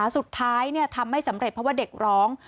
สุดท้ายทำไม่สำเร็จเพราะว่าเด็กร้อง